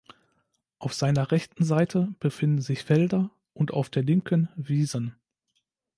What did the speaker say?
Auf seiner rechten Seite befinden sich Felder und auf der linken Wiesen.